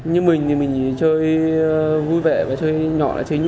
như mình thì mình chơi vui vẻ và chơi nhỏ là chính